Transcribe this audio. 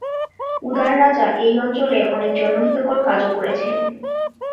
উদার রাজা এই অঞ্চলে অনেক জনহিতকর কাজও করেছেন।